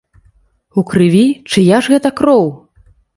У крыві, чыя ж гэта кроў?